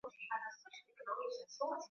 Moja ya mito inayojulikana ulimwenguni kwa kuwa